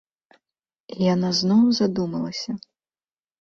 І яна зноў задумалася.